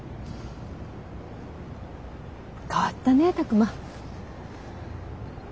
変わったね拓真。